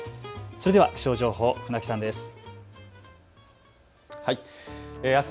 それでは気象情報、船木さんです。